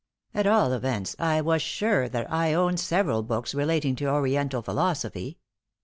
At all events, I was sure that I owned several books relating to Oriental philosophy.